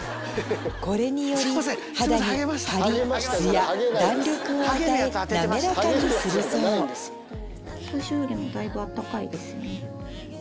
これにより肌に張りツヤ弾力を与え滑らかにするそう最初よりもだいぶ温かいですよね。